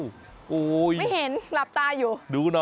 ไม่เห็นหลับตาอยู่